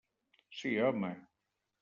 Sí, home!